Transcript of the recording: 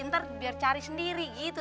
ntar biar cari sendiri gitu